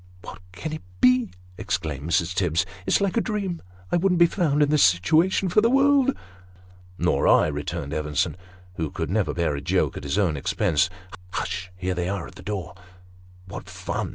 " What can it be ?" exclaimed Mrs. Tibbs. " It's like a dream. I wouldn't be found in this situation for the world !"" Nor I," returned Evenson, who could never bear a joke at his own expense. " Hush ! here they are at the door." " What fun